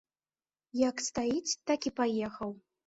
Як стаіць, так і паехаў.